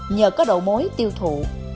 nhờ có đậu mối tiêu thụ